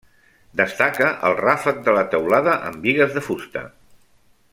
Destaca el ràfec de la teulada amb bigues de fusta.